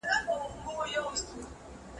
خوب د ذهني سکون سرچینه ده.